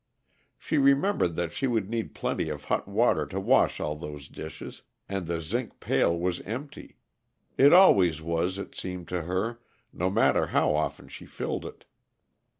She remembered that she would need plenty of hot water to wash all those dishes, and the zinc pail was empty; it always was, it seemed to her, no matter how often she filed it.